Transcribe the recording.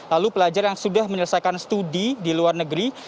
lalu pelajar yang sudah menyelesaikan studi di luar negeri